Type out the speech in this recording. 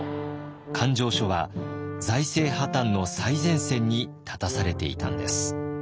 勘定所は財政破綻の最前線に立たされていたんです。